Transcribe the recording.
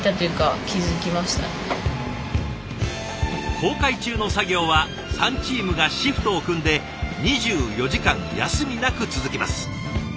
航海中の作業は３チームがシフトを組んで２４時間休みなく続きます。